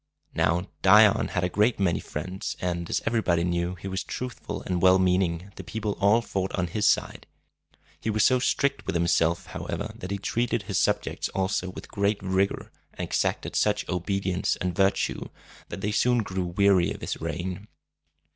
Now, Dion had a great many friends, and, as everybody knew that he was truthful and well meaning, the people all fought on his side. He was so strict with himself, however, that he treated his subjects also with great rigor, and exacted such obedience and virtue that they soon grew weary of his reign.